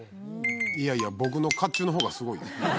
いやいや僕の甲冑の方がすごいよ